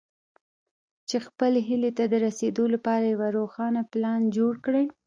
چې خپلې هيلې ته د رسېدو لپاره يو روښانه پلان جوړ کړئ.